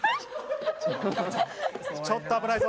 ちょっと危ないぞ。